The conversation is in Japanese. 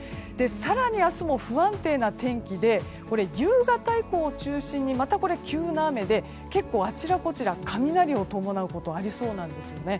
更に明日も不安定な天気で夕方以降を中心にまた急な雨で結構あちらこちらで雷を伴うことがありそうなんですよね。